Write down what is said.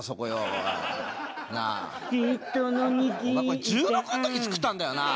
これ１６の時に作ったんだよな？